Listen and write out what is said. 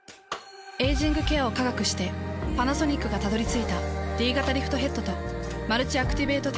エイジングケアを科学してパナソニックがたどり着いたＤ型リフトヘッドとマルチアクティベートテクノロジー。